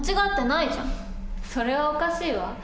それはおかしいわ。